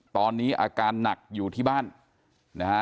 ตอนนี้อาการหนักอยู่ที่บ้านนะฮะ